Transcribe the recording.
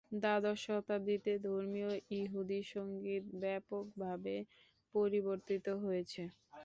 দ্বাদশ শতাব্দীতে ধর্মীয় ইহুদি সংগীত ব্যাপকভাবে পরিবর্তিত হয়েছে।